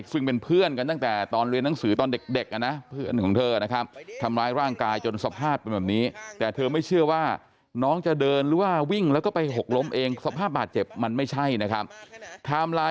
ซึ่งเป็นเพื่อนกันตั้งแต่ตอนเรียนหนังสือตอนเด็กนะเพื่อนของเธอนะครับ